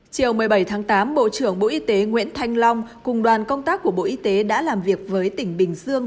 chiều một mươi bảy tháng tám bộ trưởng bộ y tế nguyễn thanh long cùng đoàn công tác của bộ y tế đã làm việc với tỉnh bình dương